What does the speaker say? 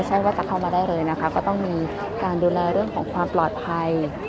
ใช่ว่าจะเข้ามาได้เลยนะคะก็ต้องมีการดูแลเรื่องของความปลอดภัย